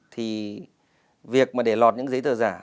thì việc mà để lọt những giấy tờ giả